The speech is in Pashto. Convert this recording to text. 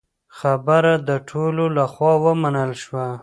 خبره د ټولو له خوا ومنل شوه.